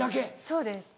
そうです。